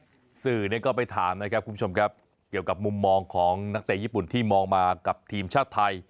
คือสื่อเนี่ยก็ไปถามนะครับคุณผู้ชมครับเกี่ยวกับมุมมองของนักเตะญี่ปุ่นที่มองมากับทีมชาติไทย